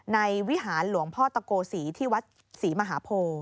วิหารหลวงพ่อตะโกศีที่วัดศรีมหาโพ